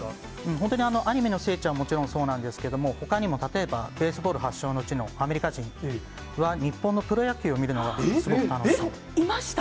本当に、アニメの聖地はもちろんそうなんですけれども、ほかにも例えば、ベースボール発祥の地のアメリカ人は日本のプロ野球を見るのがすいました、